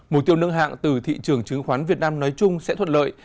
mục tiêu nâng hạng từ thị trường chứng khoán việt nam nói chung sẽ thuận lợi